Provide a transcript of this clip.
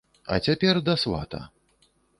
А цяпер да свата.